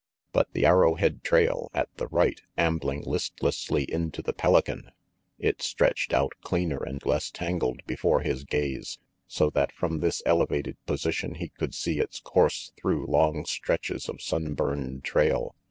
But the Arrowhead trail at the right, ambling listlessly into the Pelican! It stretched out cleaner and less tangled before his gaze, so that from this elevated position he could see its course through long stretches of sun burned trail.